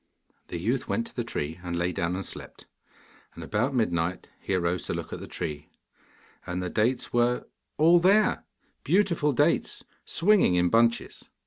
The youth went to the tree, and lay down and slept. And about midnight he arose to look at the tree, and the dates were all there beautiful dates, swinging in bunches.